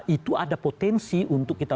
itu ada potensi untuk kita